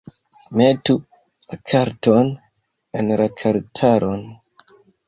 Metu la karton en la kartaron